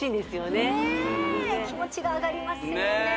ねえ気持ちが上がりますよね